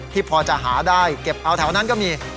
พอจะหาได้เก็บเอาแถวนั้นก็มี